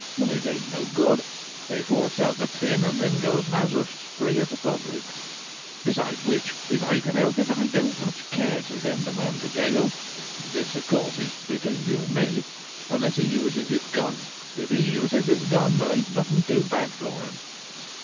But it ain't no good ; they forks out the tin, and then goes and haves a spree at a public Besides which, if I can help it I don't much care to send a man to gaol — this, of course, is between you and me — unless he uses his gun. If he uses his gun there ain't nothing too bad for him.